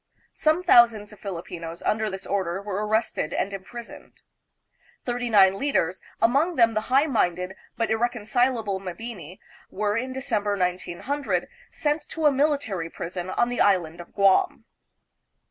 Some thousands of Filipinos under this order were arrested and impris oned. Thirty nine leaders, among them the high minded but irreconcilable Mabini, were in December, 1900, sent to a military prison on the island of Guam.